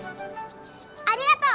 ありがとう！